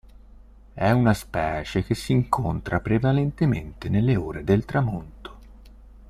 È una specie che si incontra prevalentemente nelle ore del tramonto.